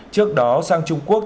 trước đó sang trung quốc